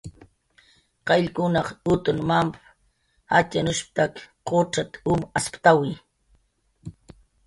"Qayllkunaq utn mamp"" jatxyanushp""tak qucxat"" um asptawi"